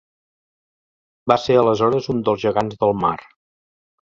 Va ser aleshores un dels gegants del mar.